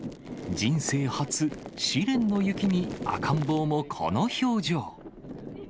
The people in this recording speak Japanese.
人生初、試練の雪に赤ん坊もこの表情。